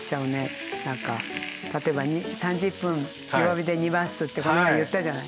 何か例えば３０分弱火で煮ますってこの間言ったじゃない。